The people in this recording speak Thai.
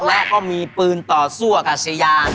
และก็มีปืนต่อสู้กับสยาน